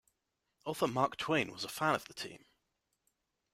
Author Mark Twain was a fan of the team.